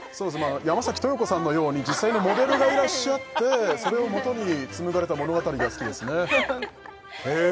山崎豊子さんのように実際のモデルがいらっしゃってそれをもとにつむがれた物語が好きですねへえ